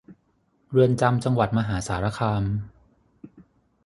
เรือนจำจังหวัดมหาสารคาม